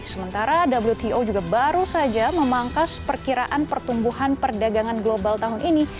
sementara wto juga baru saja memangkas perkiraan pertumbuhan perdagangan global tahun ini